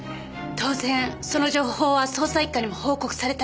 当然その情報は捜査一課にも報告されたのですか？